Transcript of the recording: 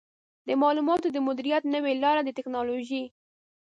د معلوماتو د مدیریت نوې لارې د ټکنالوژۍ